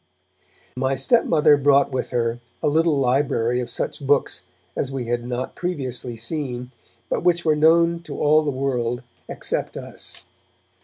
My stepmother brought with her a little library of such books as we had not previously seen, but which yet were known to all the world except us.